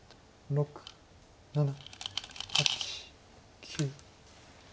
６７８９。